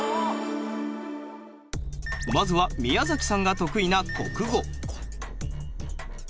まずは宮崎さんが得意な国語。